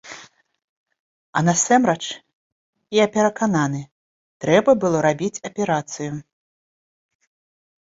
А насамрэч, я перакананы, трэба было рабіць аперацыю.